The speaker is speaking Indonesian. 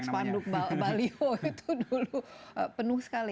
dan spanduk spanduk balio itu dulu penuh sekali